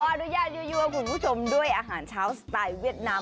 อนุญาตยั่วคุณผู้ชมด้วยอาหารเช้าสไตล์เวียดนาม